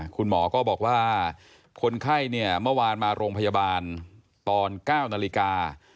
คุณหมอก็บอกว่าคนไข้เนี่ยเมื่อวานมาโรงพยาบาลตอน๙นาฬิกา